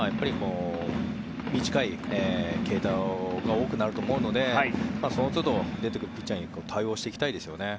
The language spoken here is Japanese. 短い継投が多くなると思うのでそのつど、出てくるピッチャーに対応していきたいですよね。